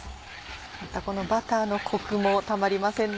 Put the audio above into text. またこのバターのコクもたまりませんね。